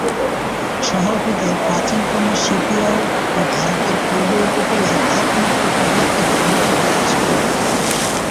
শহরটিতে প্রাচীনতম শিপইয়ার্ড ও ভারতের পূর্ব উপকূলের একমাত্র প্রাকৃতিক বন্দর রয়েছে।